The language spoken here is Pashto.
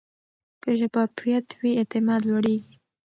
که شفافیت وي، اعتماد لوړېږي.